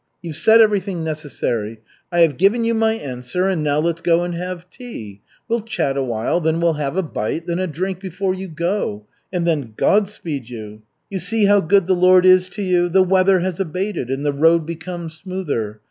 You've said everything necessary. I have given you my answer. And now let's go and have tea. We'll chat a while, then we'll have a bite, then a drink before you go and then God speed you! You see how good the Lord is to you? The weather has abated and the road become smoother.